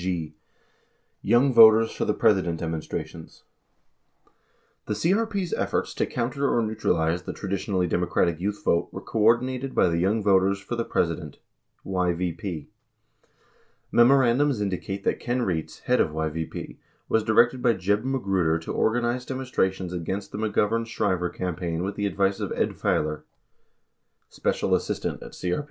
43 g. Yowng Voters for the President Demonstrations The CRP's efforts to counter or neutralize the traditionally Demo cratic youth vote were coordinated by the Young Voters for the Presi dent (YVP). Memorandums indicate that Ken Rietz, head of YVP, was directed by J eb Magruder to organize demonstrations against the McGovern Shriver campaign with the advice of Ed Failor, special assistant at CRP.